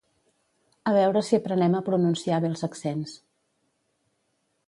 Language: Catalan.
A veure si aprenem a pronunciar bé els accents